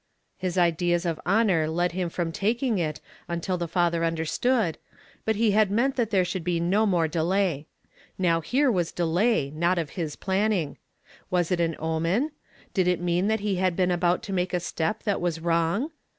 His ideas of honor held him from taking it until the t ^ "HE5 IS DESPISED AND REJECTED. j> 149 father understood, but he had meant that thr e slioukl be no more delay. Now here was dehiy, not of his planning. Was it an omen? Did it mean that he liad been about to take a step that was wrong